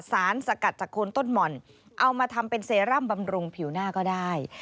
สารสกัดจากคนต้นหม่อนเอามาทำเป็นเซรั่มบำรุงผิวหน้าก็ได้